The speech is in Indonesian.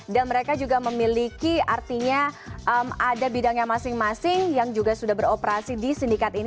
dan mereka juga memiliki artinya ada bidangnya masing masing yang juga sudah beroperasi di sindikat ini